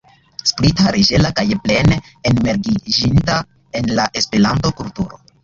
Sprita, leĝera kaj plene enmergiĝinta en la Esperanto-kulturo.